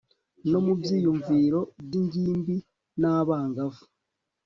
no mu byiyumviro by ingimbi n abangavu